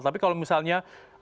tapi kalau misalnya